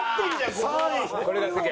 これが世間。